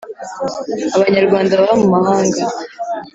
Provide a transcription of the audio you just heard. abanyarwanda baba mu mahanga a